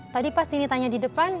tadi pas ini tanya di depan